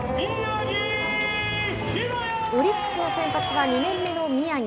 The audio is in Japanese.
オリックスの先発は２年目の宮城。